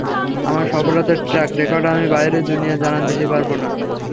আমার সফলতার track record আমি বাইরের দুনিয়ায় জানান দিতে পারব না।